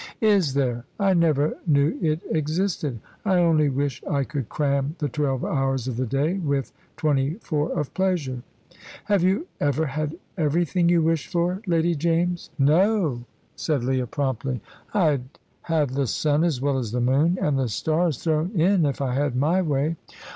"Is there? I never knew it existed. I only wish I could cram the twelve hours of the day with twenty four of pleasure." "Have you ever had everything you wished for, Lady James?" "No!" said Leah, promptly. "I'd have the sun as well as the moon, and the stars thrown in, if I had my way."